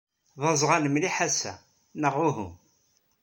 D aẓɣal mliḥ ass-a, neɣ uhu?